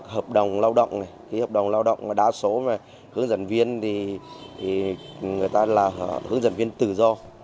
hợp đồng lao động ký hợp đồng lao động mà đa số mà hướng dẫn viên thì người ta là hướng dẫn viên tự do